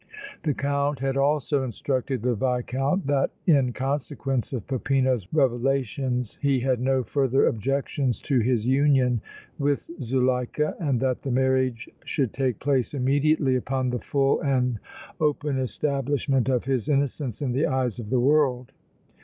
The Count had also instructed the Viscount that in consequence of Peppino's revelations he had no further objections to his union with Zuleika and that the marriage should take place immediately upon the full and open establishment of his innocence in the eyes of the world.